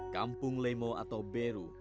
kampung lemo atau beru